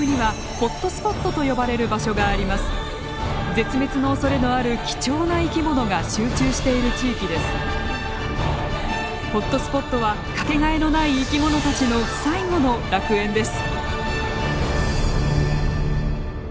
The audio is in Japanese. ホットスポットは掛けがえのない生き物たちの最後の楽園です。